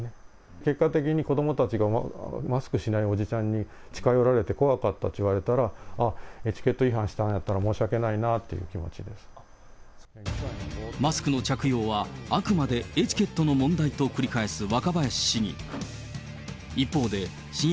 結果的に子どもたちがマスクしないおじさんに近寄られて怖かったって言われたら、ああ、エチケット違反したんやったら申し訳ないマスクの着用は、あくまでエチケットの問題と繰り返す若林市議。